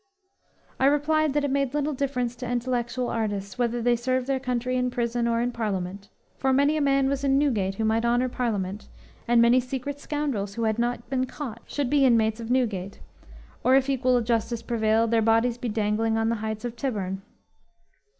I replied that it made little difference to intellectual artists whether they served their country in prison or in Parliament, for many a man was in Newgate who might honor Parliament, and many secret scoundrels who had not been caught should be inmates of Newgate, or, if equal justice prevailed, their bodies be dangling on the heights of Tyburn!